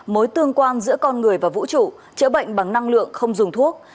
mối tương quan giữa con người và vũ trụ chữa bệnh bằng năng lượng không dùng thuốc